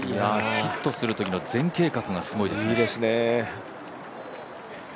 ヒットするときの前傾がいいですね。